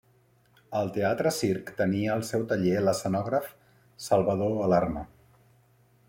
Al Teatre Circ tenia el seu taller l'escenògraf Salvador Alarma.